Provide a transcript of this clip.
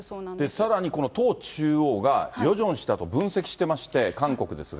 さらに、この党中央がヨジョン氏だと分析してまして、韓国ですが。